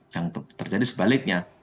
yang terjadi sebaliknya